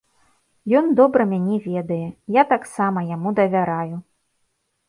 Ён добра мяне ведае, я таксама яму давяраю.